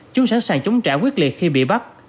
chúng sẵn sàng chống trả quyết liệt khi bị bắt